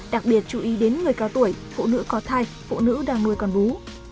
đặc biệt chú ý đến người cao tuổi phụ nữ có thai phụ nữ đang nuôi con bú